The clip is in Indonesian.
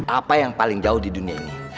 apa yang paling jauh di dunia ini